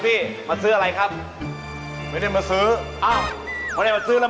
สวัสดีครับพี่มาซื้ออะไรครับ